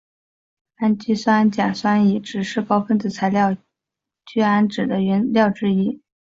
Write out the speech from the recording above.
氨基甲酸乙酯是高分子材料聚氨酯的原料之一。